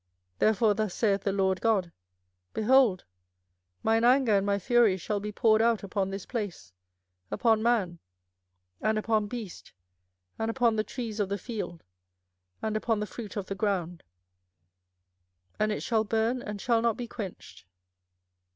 24:007:020 Therefore thus saith the Lord GOD; Behold, mine anger and my fury shall be poured out upon this place, upon man, and upon beast, and upon the trees of the field, and upon the fruit of the ground; and it shall burn, and shall not be quenched.